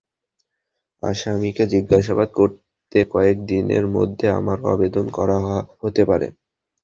আসামিকে জিজ্ঞাসাবাদ করতে কয়েক দিনের মধ্যে আবারও আবেদন করা হতে পারে।